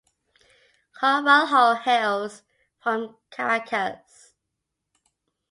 Carvalho hails from Caracas.